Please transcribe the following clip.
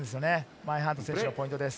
マインハート選手のポイントです。